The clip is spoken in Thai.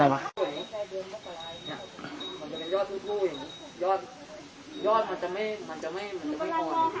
ยอดมันจะไม่ควร